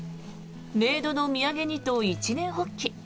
冥土の土産にと一念発起。